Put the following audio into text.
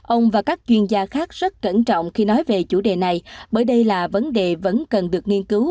ông và các chuyên gia khác rất cẩn trọng khi nói về chủ đề này bởi đây là vấn đề vẫn cần được nghiên cứu